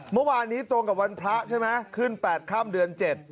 เมื่อวานนี้ตรงกับวันพระใช่ไหมขึ้น๘ค่ำเดือน๗